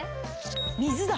水だ。